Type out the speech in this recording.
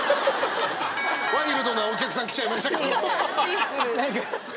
ワイルドなお客さん来ちゃいました。